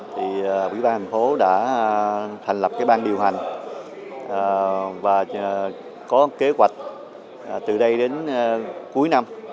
thì ủy ban nhân dân thành phố đã thành lập ban điều hành và có kế hoạch từ đây đến cuối năm